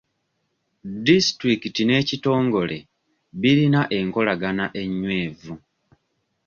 Disitulikiti n'ekitongole birina enkolagana ennywevu.